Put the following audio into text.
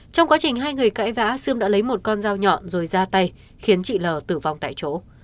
trong quá trình hai người cãi vã sươm đã lấy một con dao nhọn rồi ra tay khiến chị l tử vong tại chỗ